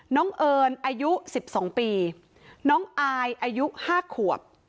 น้องเอิญอายุสิบสองปีน้องอายอายุห้าขวบ